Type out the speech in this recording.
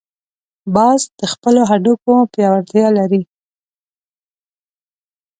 باز د خپلو هډوکو پیاوړتیا لري